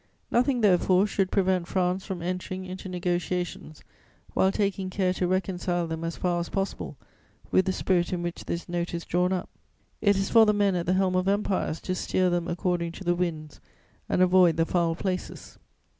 Nothing, therefore, should prevent France from entering into negociations, while taking care to reconcile them as far as possible with the spirit in which this Note is drawn up. It is for the men at the helm of empires to steer them according to the winds and avoid the foul places.